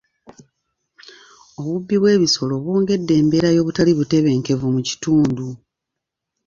Obubbi bw'ebisolo bwongedde embeera y'obutali butebenkevu mu kitundu.